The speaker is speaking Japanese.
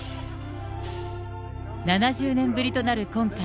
７０年ぶりとなる今回。